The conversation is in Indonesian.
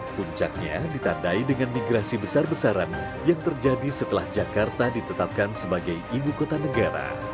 puncaknya ditandai dengan migrasi besar besaran yang terjadi setelah jakarta ditetapkan sebagai ibu kota negara